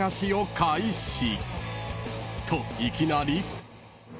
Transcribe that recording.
［といきなり］